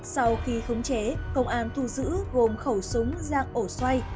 sau khi khống chế công an thu giữ gồm khẩu súng dạng ổ xoay